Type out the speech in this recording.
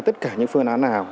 tất cả những phương án nào